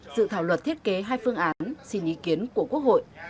dự thảo luật thiết kế hai phương án xin ý kiến của quốc hội